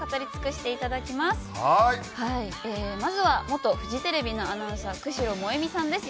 まずは元フジテレビのアナウンサー久代萌美さんです。